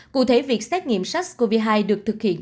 cụ thể việc xét nghiệm sars cov hai được thực hiện